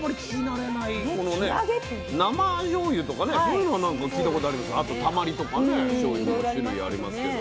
生じょうゆとかねそういうのはなんか聞いたことあるんですけどあとたまりとかねしょうゆも種類ありますけど。